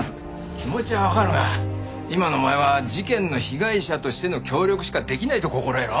気持ちはわかるが今のお前は事件の被害者としての協力しかできないと心得ろ。